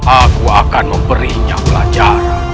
aku akan memberinya pelajaran